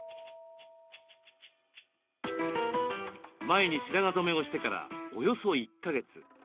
前に白髪染めをしてからおよそ１か月。